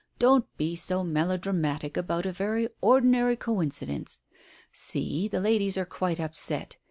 "Don't be so melodramatic about a very ordinary co incidence. See, the ladies are quite upset.